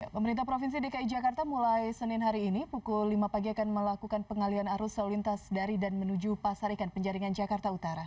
pemerintah provinsi dki jakarta mulai senin hari ini pukul lima pagi akan melakukan pengalian arus lalu lintas dari dan menuju pasar ikan penjaringan jakarta utara